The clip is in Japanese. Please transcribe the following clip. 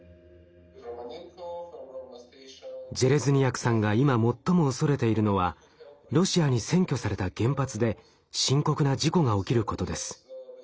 ジェレズニヤクさんが今最も恐れているのはロシアに占拠された原発で深刻な事故が起きることです。